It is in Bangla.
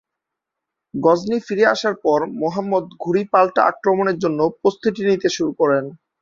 গজনি ফিরে আসার পর মুহাম্মদ ঘুরি পাল্টা আক্রমণের জন্য প্রস্তুতি নিতে শুরু করেন।